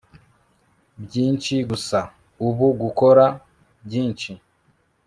byinshi gusaubu gukora byinshi